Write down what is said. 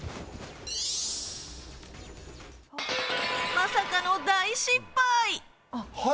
まさかの大失敗。